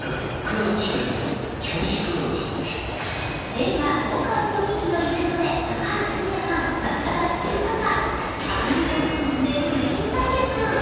映画「交換ウソ日記」のイベントで高橋文哉さん、桜田ひよりさんがあいうえお作文で胸キュン対決。